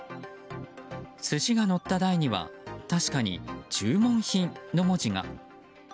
寿司がのった台には確かに「注文品」の文字が。